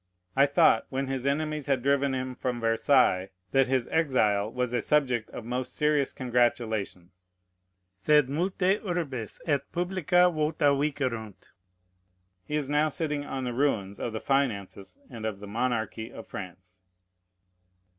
I thought, when his enemies had driven him from Versailles, that his exile was a subject of most serious congratulation. Sed multæ urbes et publica vota vicerunt. He is now sitting on the ruins of the finances and of the monarchy of France.